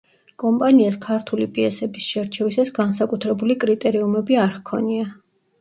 კომპანიას ქართული პიესების შერჩევისას განსაკუთრებული კრიტერიუმები არ ჰქონია.